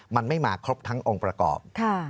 มันไม่มาครบทั้งองค์ประกอบ